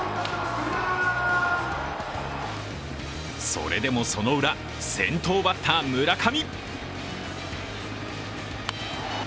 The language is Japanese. それでそのウラ、先頭バッター・村上。